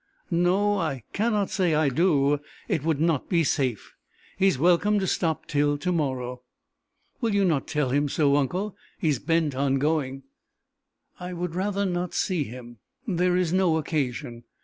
"No, I cannot say I do. It would not be safe. He is welcome to stop till to morrow." "Will you not tell him so, uncle? He is bent on going!" "I would rather not see him! There is no occasion.